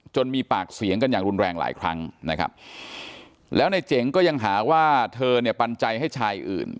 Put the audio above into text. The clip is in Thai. มีปากเสียงกันอย่างรุนแรงหลายครั้งนะครับแล้วในเจ๋งก็ยังหาว่าเธอเนี่ยปันใจให้ชายอื่น